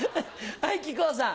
はい木久扇さん。